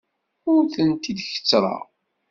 Ur tent-id-kettreɣ.